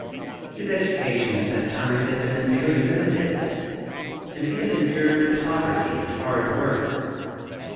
His education to that time had been very limited and he had endured poverty and hard work.